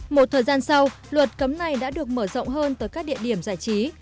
một thời gian sau luật cấm này đã được mở rộng hơn tới các địa điểm giải trí